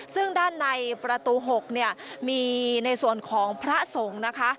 ซึ่งด้านในประตู๖เนี่ยมีในส่วนของพระสงฆ์นะคะ